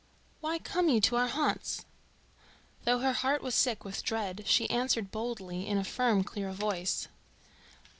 Why come you to our haunts?" Though her heart was sick with dread she answered boldly in a firm clear voice.